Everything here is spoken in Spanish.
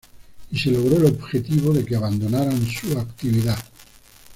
Y se logró el objetivo de que abandonaran su actividad.